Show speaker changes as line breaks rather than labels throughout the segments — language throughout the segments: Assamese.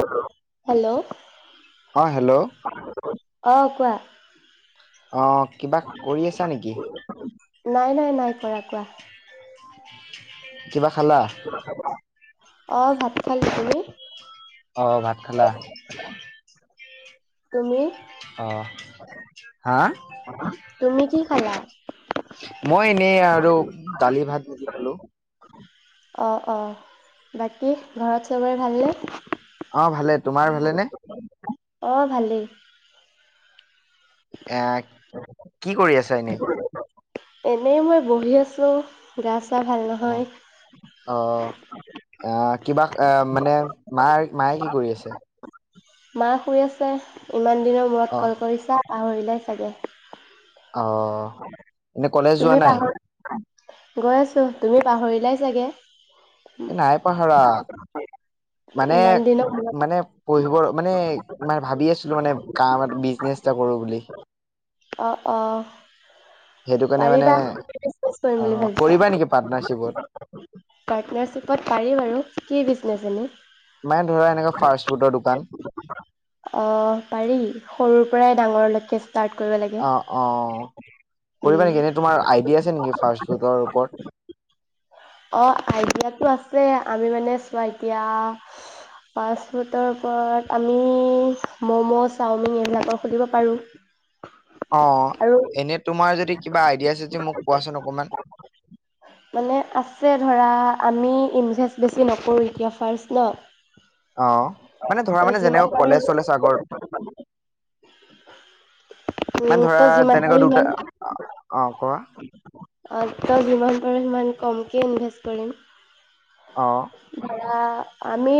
হেল্ল' হেল্ল'
অ হেল্ল'
অ [unintelligible] অঁ কোৱা
অ কিবা কৰি আছা নেকি
নাই নাই নাই কৰা কোৱা
উ [unintelligible] কিবা খালা
অ ভাত খালো তুমি
অ ভাত খলা
তুমি
অ হা
অ তুমি কি খালা
মই এনেই আৰু দালি ভাত ভাজি খালো
অ অ বাকী ঘৰত চবৰে ভালনে
অ ভালে তোমাৰ ভালেনে
অ ভালেই
আহ কি কৰি আছা এনেই
এনেই মই বহি আছো গাছ
অ আহ আহ কিবা আহ মানে মাৰ মায়ে কি কৰি আছে
মায়ে শুই আছে ইমান দিনৰ
অ
মূৰত কল কৰিছা পাহৰিলাই চাগে
অ এনেই কলেজ যোৱা
তুমি
নাই
পাহৰি গৈ আছো তুমি পাহৰিলাই চাগে
নাই পাহৰা মানে
ইমান দিনৰ মূৰত
মানে পঢ়িব মানে ম ভাবি আছিলো মানে কাম এটা বিজনেচ এটা কৰো বুলি
অ অ
সেইটো কাৰণে মানে
পাৰিবানে কৰিম
অ
বুলি ভাবছো
কৰিবা নেকি পাৰ্টনাৰশ্বিপত?
পাৰ্টনাৰশ্বিপত পাৰি আৰু কি বিজনেচ মানে এ
মানে ধৰা এনেকা ফাষ্ট ফুডৰ দোকান
আহ পাৰি সৰুৰ পৰাই ডাঙৰলৈকে ষ্টাৰ্ট কৰিব লাগে
অ অ কৰিবা
উম,
নেকি এনে তোমাৰ আইডিয়া আছে নেকি ফাষ্টফুডৰ ওপৰত?
যে আমি মানে চোৱা এতিয়া ফাষ্টফুডৰ ওপৰত আমি ম'ম' চাওমিন এইবিলাকৰ সুধিব পাৰো।
অ এনে তোমাৰ যদি কিবা আইডিয়া আছে য মোক কোৱাচোন অকমান।
মানে আছে ধৰা আমি ইনভেষ্ট বেছি নকৰোঁ এতিয়া ফাৰ্ষ্ট ন।
অ মানে ধৰা
ত'
মানে
যিমান
যেনেক
পাৰোঁ
কলেজ চলেজ আগত মানে ধৰা তেনে
আৰু সিমান অ তই যিমান পাৰো সিমান কমকৈ ইনভেষ্ট কৰিম।
অ
এ আমি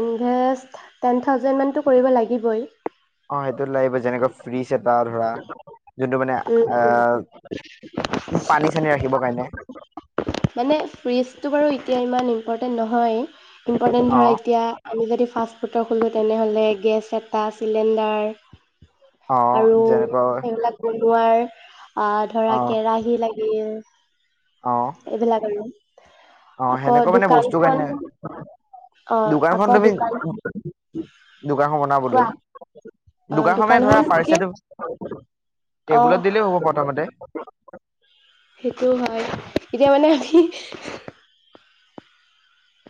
ইনভেষ্ট টেন থাউজেণ্ড মানটো কৰিব লাগিবই।
অ সেইটোত লাগিব যেনেকৈ ফ্ৰিজ এটা ধৰা যোনটো মানে
উম উ
আহ পানী চানী ৰাখিবৰ কাৰণে
মানে ফিজটো বাৰু এতিয়া ইমানেই ইম্পৰ্টেণ্ট নহয় ইম্পৰ্টেণ্ট
অ
ধৰা এতিয়া আমি যদি ফাষ্টফুডৰ খোলোঁ তেনেহ'লে গেছ এটা চিলিণ্ডাৰ
অ
আৰু
যেনেকৈ
সেইবিলাক বনোৱাৰ অ
অ
ধৰা কেৰাহী লাগে [unintelligible]
অ
এইবিলাক আৰু।
অ
আকৌ
সেনেকুৱা মানে বস্তু
দোকানখন
কাৰণে
অ
দোকানখন
আকৌ
তুমি
দোকান
দোকানখন বনাবলৈ
কোৱা অ
মানে ধৰা
দোকানখন
ফাৰ্ষ্ট
অ
টেবুলত দিলেই হ'ব প্ৰথমতে
সেইটো হয় এতিয়া মানে হি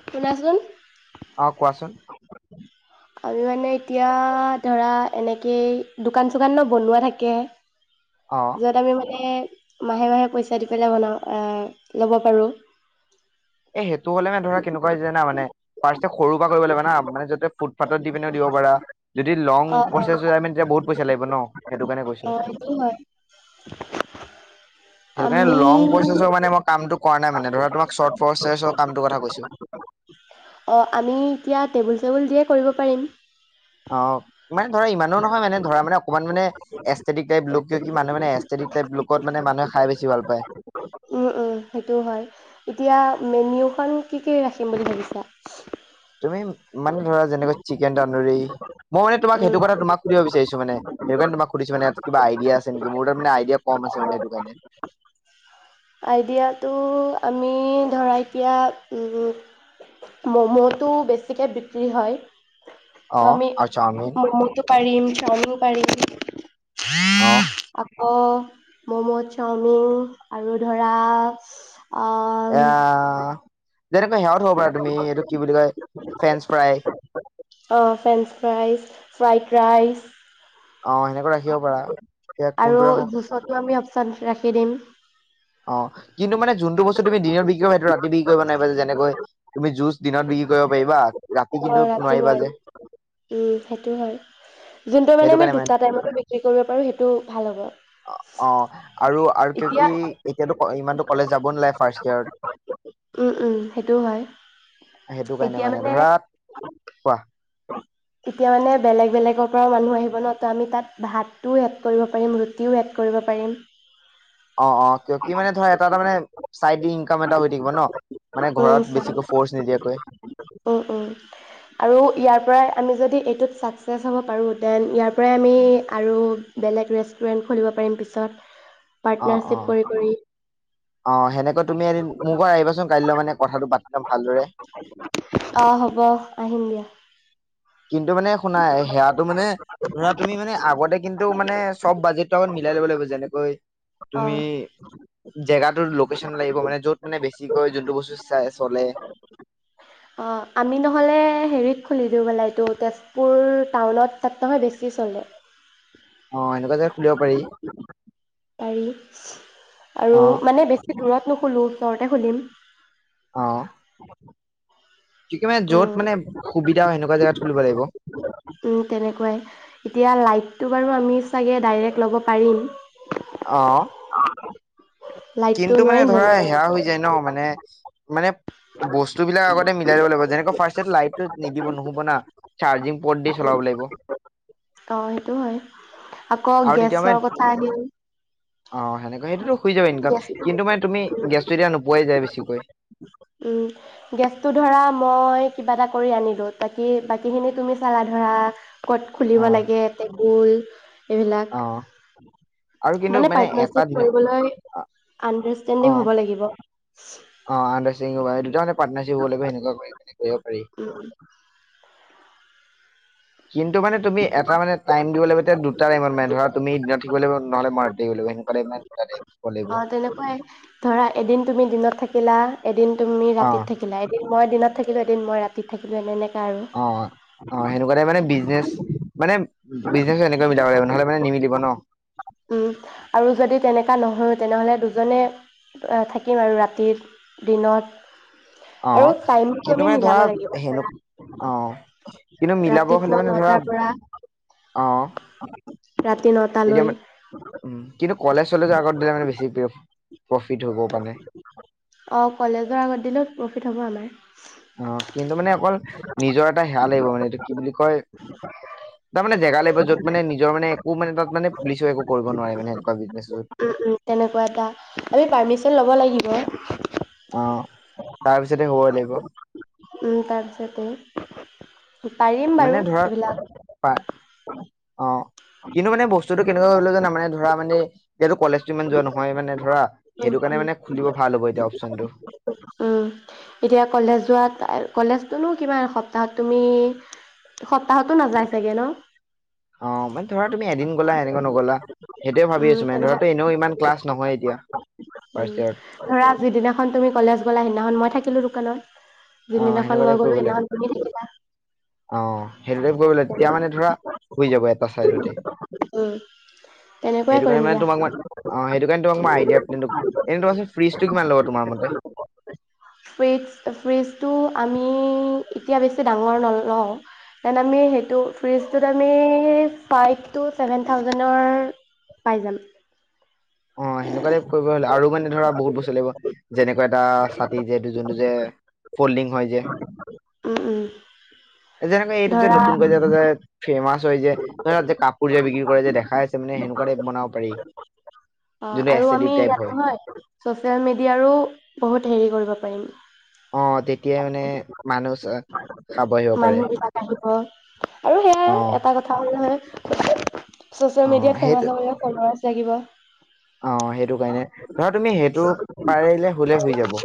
শুনাচোন
অ কোৱাচোন।
আমি মানে এতিয়া ধৰা এনেকেই দোকান চোকান ন বনোৱা থাকে
অ
যত আমি মানে মাহে মাহে পইচা দি পেলাই বনাই ল'ব পাৰোঁ।
এ সেইটো হ'লে মানে ধৰা কেনেকুৱা যে না মানে ফাৰ্ষ্টয়ে সৰু এনেকুৱা কৰিব লাগিব না মানে যতে ফুটপাথত দিপিনেও দিব পৰা, যদি লং
অ অ
প্ৰচেছ হৈ যায় তেতিয়া আমি বহুত পইচা লাগিব ন সেইটোৰ কাৰণে
অ
কৈছোঁ।
সেইটো হয়
মানে
আমি
লং প্ৰচেছৰ মানে মই কামটো কৰা নাই মানে ধৰা তোমাক চৰ্ত ফৰ্ চেচৰ কামটোৰ কথা কৈছোঁ।
অ আমি এতিয়া টেবুল চেবুল দিয়ে কৰিব পাৰিম।
অ, মানে ধৰা ইমানো নহয় মানে ধৰা মানে অকমান মানে এষ্টেটিক টাইপ লোক কিয় কি মানুহ মানে এষ্টেটিক টাইপ লোকত মানে মানুহে খাই বেছি ভাল পায়।
উম উম সেইটো হয়। এতিয়া মেনিউখন কি কি, ৰাখিম বুলি ভাবিছা?
তুমি মানে ধৰা যেনেকৈ, চিকেন তন্দুৰী মই মানে তোমাক
উম
সেইটো কথা তোমাক সুধিব বিচাৰিছো মানে ।সেইটো কাৰণে তোমাক সুধিছো মানে কিবা আইডিয়া আছে নেকি মোৰ তাত মানে আইডিয়া কম আছে মানে সেইটো কাৰণে।
আইডিয়াটো আমি ধৰা এতিয়া ম'মটো বেছি। বেছিকৈ বিক্ৰী হয়।
অ
আমি
আৰু চাওমিন
মমটো। পাৰিম চাওমিন পাৰিম।
হ।
অ ম'ম' চাওমিন আৰু ধৰা। অঁ।
যেনেকা সেৱত হ'ব পাৰে তুমি এইটো কি বুলি কয় ফ্ৰেন্ঞ্চ ফ্ৰাই।
অঁ, ফ্ৰেঞ্চ ফ্ৰাইজ ফ্ৰাইড ৰাইচ।
অ সেনেকৈ ৰাখিব পাৰা এতিয়া কোনটো
আৰু
ৰাখো
জোচতো আমি [inaudible] তাত ৰাখি দিম।
অ, [unintelligible] কিন্তু মানে যোনটো বস্তু তুমি।
অ ৰাতি নোৱাৰিম সেইটো হয়। যোনটো মানে
সেইটো
আমি
কাৰণে
দুট টাইমত। কি কৰিব পাৰো। সেইটো ভাল হ'ব,
অ আৰু আৰু কি
এতিয়া
কি এতিয়াতো ক- ইমানতো কলেজ যাব নালাগে ফাৰ্ষ্ট ইয়েৰ
ও ও সেইটো হয়
সেইটো কাৰণে
এতিয়া
মানে ধৰা কোৱা
মানে বেলেগ বেলেগ ওপৰত। মানুহ আহিব ন তো আমি তাত। ভাতো এড কৰিব পাৰিম, ৰুটিও এড কৰিব পাৰিম।
অ অ কিয় কি মানে ধৰা এটা এটা মানে চাইড ইনকাম এটা হৈ থাকিব ন মানে
উম,
ঘৰত বেছিকৈ ফ'ৰ্চ নিদিয়াকৈ
উম উম আৰু ইয়াৰ পৰাই আমি যদি। টোত ছাক্চেছ হ'ব পাৰোঁ তেন ইয়াৰ পৰাই আমি। আৰু বেলেগ ৰেষ্টুৰেণ্ট খুলিব পাৰিম পিছত।
অ অ
পাটনাৰচিপ কৰি কৰি
অ সেনেকৈ তুমি এদিন মোৰ ঘৰত আহিবাচোন কাইলৈ মানে কথাটো পাতি লম ভালদৰে
আহ হব আহিম দিয়া।
কিন্তু মানে শুনা, সেয়াটো মানে তুমি মানে আগতে কিন্তু মানে চব বাজেটটো আগত মিলাই লব লাগিব, যেনেকৈ তুমি
অঁ
জেগাটো লোকেশচন লাগিব মানে যত মানে বেছিকৈ যোনটো বস্তু চাই চলে।
অঁ তটো তে [unintelligible] কাপোৰ টাউনত তাত তোমাৰ বেছি চলে।
অ এনেকুৱা জেগাত খুলিব পাৰি
পাৰি আৰু
অ
মানে বেছি দূৰত। নো খুলো ওচৰতে খুলিম।
অঁ। কি মানে য'ত
উম
মানে সুবিধা হয়, সেনেকুৱা জেগাত খুলিব লাগিব।
এইটো বাৰু আমি চাগে ডাইৰেক্ট ল'ব পাৰিম।
অ
লাইটটো
কিন্তু মানে
নোৱাৰিম জানো
ধৰা সেয়া হৈ
ডাইৰেক্ট
যায় ন মানে মানে বস্তু বিলাক আগতে মিলাই ল'ব লাগিব হৈ যায় আকৌ ফাৰ্ষ্টত লাইটটোত নিদিব নহব না চাৰজিং পত দি চলাব লাগিব
অঁ সেইটো হয়। আকৌ
আৰু তেতিয়া
গেছৰ
মানে
কথা আহিল
অহ সেনেকা সেইটোতো শুই যাব ইনকাম
গেছ
কিন্তু মানে তুমি গেছটো এতিয়া নোপোৱাই যায় বেছিকৈ
উম, গেছটো ধৰা মই কিবা এটা কৰি আনিলো বাকী বাকীখিনি তুমি চালা ধৰা ক'ত খুলিব
অ
লাগে টেবুল এইবিলাক
অ আৰু কিন্তু
মানে
এটা
পাটনাৰচিপ
দিনা
কৰিবলৈ
অ
আণ্ডাৰষ্টেণ্ডিং হ'ব লাগিব [inaudible]
অ আণ্ডাৰ ষ্টেণ্ডিং হোৱা দুটা মানে পাটনাৰ চিপ হব লাগিব লগ হৈ কেনি কৰিব পাৰি
উম,
কিন্তু মানে তুমি এটা মানেটাইম দিব লাগিব দুটা টাইমত মানে ধৰা তুমি দিনত থাকিব লাগিব নহলে মই ৰাতি থাকিব লাগিব সেনেকে দুটা টাইম
অ তেনেকুৱাই ধৰা এদিন তুমি দিনত থাকিলা এদিন তুমি
অ
ৰাতিত থাকিলা এদিন মই দিনত থাকিলো এদিন মই ৰাতি থাকিলো এনেকে
অ অ সেনেকুৱাতোই মানে বি নে মানে বিজনেছ এনেকৈ মিলাব লাগিব নহলে মানে নিমিলিব ন
উম আৰু যদি তেনেকা নহয় তেনেহ'লে দুজনে থাকিম আৰু ৰাতি দিনত ।
অ
আৰু টাইম
কিন্তু
আমি
মানে ধৰা
মিলাব
সেনে
লাগিব
অ কিন্তু মিলাব হলে
ৰাতিপুৱা
মানে ধৰা
নটাৰ পৰা
অ
ৰাতি
তেতিয়া
নটালৈ
মানে উম কিন্তু কলেজ চলেজৰ আগত দিলে মানে বেছি প্ৰফিট হবও মানে
অ কলেজৰ আগত দিনো প্ৰফিট হ'ব আমাৰ
অ কিন্তু মানে অকল নিজৰ এটা সেয়া লাগিব মানে এইটো কি বুলি কয় তাৰ মানে জেগা লাগিব য'ত মানে নিজৰ মানে একো মানে তাত মানে পুলিচো একো কৰিব নোৱাৰে মানে এনেকুৱা বিজনেছত
উম উম তেনেকুৱা এটা আমি পাৰ্মিচন ল'ব লাগিব
অ তাৰ পিছতে হবই লাগিব
ও তাৰপিছতে পাৰিম
মানে
বাৰু
ধৰা
এইবিলাক
পা অ কিন্তু মানে বস্তুটো কেনেকুৱা কৰিব লাগিব জানা মানে ধৰা মানে এতিয়াটো কলেজটো ইমান যোৱা নহয় মানে ধৰা
উম
সেইটো
উম
কাৰণে মানে খুলিব ভাল হ'ব এতিয়া চন্ডো
উম এতিয়া কলেজ যোৱাত কলেজতোনো‌ কিমান সপ্তাহত তুমি সপ্তাহতো নাযায় চাগে ন?
অ মানে ধৰা তুমি এদিন গলা এনেকা নগলা সেইটোয়ে ভাবি
উম
আছো মানে
তেনেকুৱা
ধৰা এনেও ইমান ক্লাচ নহয় এতিয়া
উম
ফাৰ্ষ্ট ইয়েৰত
ধৰা যিদিনাখন তুমি কলেজ গলা সিদিনাখন মই থাকিলো দোকানত
অ
যোনদিনাখন
সেনেকুৱা
মই
টাইপ
গ'লো
কৰিব লাগিব
সেইদিনাখন তুমি থাকিলা
অ সেইতোৱে কৰিব তেতিয়া মানে ধৰা হৈ যাব এটা চাইজতে
উম তেনেকুৱাই কৰিম দিয়া
তোমাক মই অ সেইটো কাৰণে মই আইডিয়া প্লেন এ ফ্ৰিজটো কিমান ল'ব তোমাৰ মতে?
ফ্ৰিজ ফ্ৰিজটো আমি এতিয়া বেছি ডাঙৰ নলওঁ দেন আমি সেইটো ফ্ৰিজটোত আমি ফাইভ টু ছেভেন থাউজেনৰ পাই যাম ।
অ সেনেকুৱাকে কৰিব আৰু মানে ধৰা বহুত বস্তু লাগিব যেনেকুৱা এটা ছাতি যেটো যোনটো যে ফল্ডিং হয় যে
উম উম
যেনেকে এইটো যে
ধৰা
নতুনকৈ যে এই টো যে ফেমাচ তই যে ধৰক যে কাপোৰ যে বিক্ৰী কৰে যে দেখাই আছে মানে সেনেকুৱাকে বনাব পাৰি ।
অ আৰু আমি ইয়াত নহয় চচিয়েল মিডিয়াৰো বহুত হেৰি কৰিব পাৰিম‌ ।
অ তেতিয়াই মানে মানুহ খাব আহিব পাৰে
মানুহ [unintelligible] অ আৰু
অ
সেয়াই এটা কথা [unintelligible] হয় [unintelligible]
অ
ছ'চিয়েল মডিয়াত ফেমাছ
সেইটো
হবলে ফলোৱাৰচ লাগিব
অ সেইটো কাৰণে ধৰা তুমি সেইটো পাৰিলে কলে হৈ যাব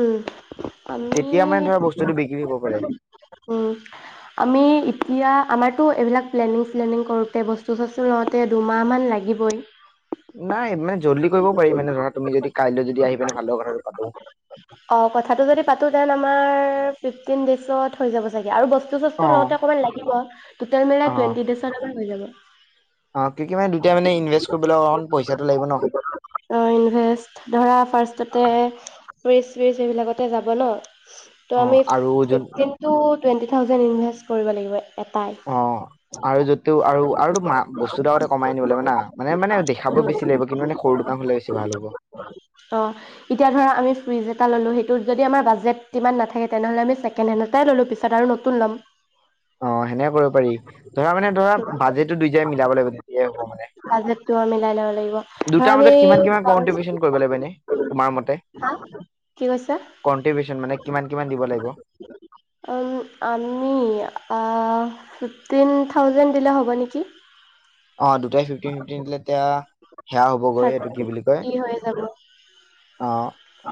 উম
তেতিয়া মানে
আমি
ধৰা বস্তুতটো বিক্ৰী হব পাৰে ।
উম আমি এতিয়া আমাৰতটো এইবিলাক প্লেনিং চ্লেনিং কৰোতে বস্তু চষ্টো লওঁতে দুমাহ মান লাগিবই
নাই মানে জল্দি কৰিব পাৰি মানে ধৰা তুমি যদি কাইলৈ যদি আহি পিনে ভালদৰে কথাটো পাতো
অ কথাটো যদি পাতো দেন আমাৰ ফিফটিন ডেইজত হৈ যাব চাগে আৰু বস্তু বস্তু
অ
ছষ্টো লওঁতে অকণমান লাগিব টোটেল
অ
মিলাই টুৱেন্টি ডেইচত আমাৰ হৈ যাব ।
অ কি কি মানে দুটাই মানে ইনভেষ্ট কৰিবলৈ অকণ পইচাটো লাগিব ন
অ ইনভেষ্ট ধৰা ফাৰ্ষটতে ফ্ৰীজ ছিৰিজ এইবিলাকতে যাব ন ত
অ
আমি
আৰু যোন
ফিফটিন টোত টুৱেণ্টি থাউচেণ্ড ইনভেষ্ট কৰিব লাগিব এটাই
অ আৰু য'তেও আৰু আৰু মা বস্তু এটা আগতে কমাই আনিব লাগিব না মানে মানে দেখাব বেছি লাগিব কিন্তু মানে সৰু দোকান হলে বেছি ভাল হ'ব
অ এতিয়া ধৰা আমি ফ্ৰিদজ এটা ল'লো, সেইটোত যদি আমাৰ বাজেট ইমান নাথাকে তেনেহ'লে চেকেণ্ড হেন্ড এতাই ল'লো পিছত আৰু নতুন ল'ম।
অ সেনেকে কৰিব পাৰি, ধৰা মানে ধৰা বাজেটটো দুইতাই মিলাব লাগিব তেতিয়াই হ'ব মানে।
বাজেটটো মিলাই ল'ব লাগিব ধৰা
দুটাৰ
আমি
মাজত কিমান কিমান কনট্ৰিবিউচন কৰিব লাগিব এনে, তোমাৰ মতে?
হা কি কৈছা
কন্ট্ৰিবিউচন মানে কিমান কিমান
[unintelligible]
দিব লাগিব
উম আমি আ ফিফটিন থাউজেণ্ড দিলে হ'ব নেকি?
অ দুটাই ফিফটিন ফিফটিন দিলে তেতিয়া সেয়া হবগৈ এইটো
থাৰ্টি
কি বুলি কয়
হৈ যাব
অ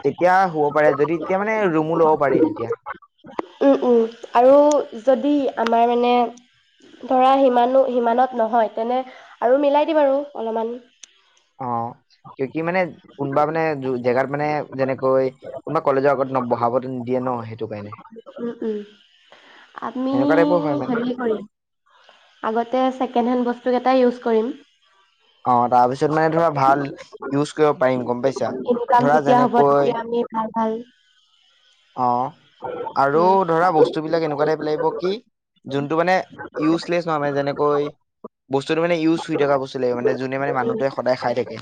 তেতিয়া হ'ব পাৰে
[unintelligible]
যদি তেতিয়া মানে ৰুমো ল'ব পাৰি তেতিয়া
উম উম আৰু যদি আমাৰ মানে ধৰা সিমানো সিমানত নহয় তেনে আৰু মিলাই দিম আৰু অলমান।
অ কিউ কি মানে কোনবা মানে জেগাত মানে যেনেকৈ কোনবা কলেজৰ আগত বঢ়াবটো নিদিয়ে ন সেইটো কাৰণে।
উম উম আমি
এনেকুৱা টাইপো হয় মানে।
হেৰি কৰিম বস্তুকেইটাই ইউজ কৰিম।
অ তাৰপিছত মানে ধৰা ভাল ইউজ কৰিব পাৰিম গম পাইছা?
ইনকাম
ধৰা
যেতিয়া হ'ব
যেনেকৈ
[unintelligible] ভাল ভাল।
অ, আৰু
উম
ধৰা বস্তুবিলাক এনেকোৱা টাইপ লাগিব কি জুনটো মানে ইউজলেচ নহয় মানে যেনেকৈ বস্তুটো মানে ইউজ হৈ থকা বস্তু লাগিব জুনে মানে মানুহটোৱে সদায় খাই থাকে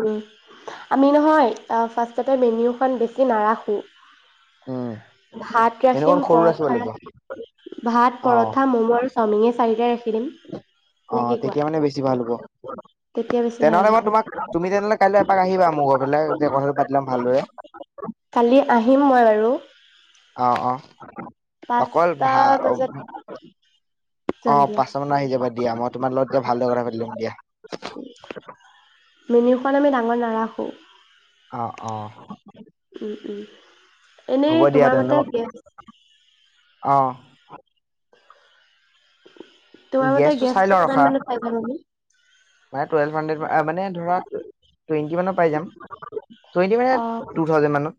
উম আমি নহয় ফাৰ্ষ্টতে মেনিউখন বেছি নাৰাখো।
উম
ভাত ৰাখিম,
এনেকণ সৰু ৰাখিব
পৰাঠা
লাগিব
ৰাখিম, ভাত
অ
পৰাঠা মম' আৰু চাওমিন এই চাৰিটাই ৰাখিম।
অ তেতিয়া মানে বেছি ভাল হ'ব
তেতিয়া বেছি ভাল
।তেনেহলে
হ'ব।
মই তোমাক তুমি তেনেহলে কাইলৈ এপাক আহিবা মোৰ ঘৰ ফালে যে কথাটো পাতি‌ লম। ভালদৰে
কালি আহিম মই বাৰু।
অ অ অকল
পাঁচটা
ভা অ
দছত।
অ
যাম দিয়া
পাঁচটা মানত আহি যাবা দিয়া মই তোমাৰ লগত এতিয়া ভালদৰে কথা পাতি লম দিয়া
।মেনিউখন আমি ডাঙ ডাঙৰ নাৰাখো।
অ অ।
উম উম।
হ'ব
এনেই
দিয়া
তোমাৰ
তেন্তে
মতে
মোক
গেছ
অ
তোমাৰ মতে
চাই
গেছটো
লওঁ ৰখা
কিমান মানত পাই যাম আমি?
মানে টুৱেলভ হানড্ৰেট মানে ধৰা টুৱেণ্টি মানত পাই যাম। টুৱেন্টি মানে
অ
টু থাউজেন মানত,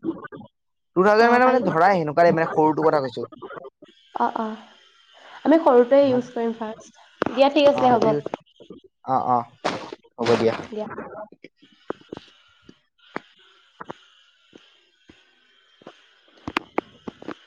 টু
অ
থাউজেন মানে
পাই
মানে
যাম
ধৰা এনেকোৱা সৰুটো কথা কৈছো।
টোৱে
ইমান
ইউজ কৰিম ফ্ৰাষ্ট, দিয়া ঠিক
অ
আছে
সেইটো
হ'ব।
ইউজ অ অ
দিয়া। [inaudible]